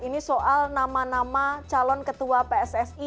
ini soal nama nama calon ketua pssi